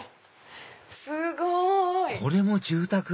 すごい！これも住宅⁉